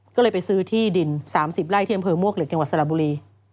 ก็เลยไปซื้อที่ดิน๓๐ไร้เที่ยมเภอมวกจังหวัดสระบุรี